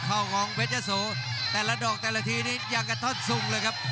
เขาของพระเจ้าโสแต่ละดอกแต่ละทีนี้ยังกันท่อนทรุงเลยครับ